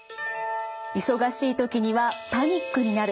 忙しい時にはパニックになる。